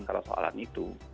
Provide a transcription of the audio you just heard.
kalau soalan itu